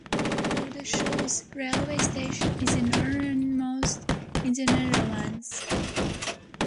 Roodeschool's railway station is the northernmost in the Netherlands.